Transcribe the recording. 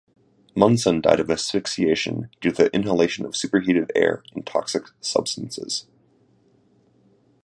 Munson died of asphyxiation due to the inhalation of superheated air and toxic substances.